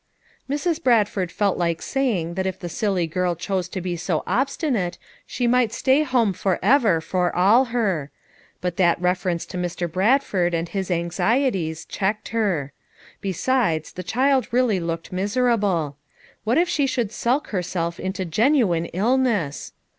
Mrs. Bradford felt like saying that if the silly girl chose to he so obstinate she might stay at home forever for all her; but that reference to Mr. Bradford and his anxieties, checked her; besides, the child really looked miserable ; what if she should sulk herself into genuine illness?